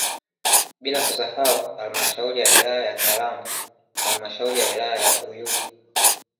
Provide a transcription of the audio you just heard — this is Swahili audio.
Bila kusahau halmashauri ya wilaya ya Kalambo na halmashauri ya wilaya ya Uyui